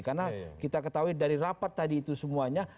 karena kita ketahui dari rapat tadi itu semuanya